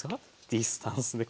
ディスタンスで。